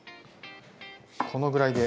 このぐらいで？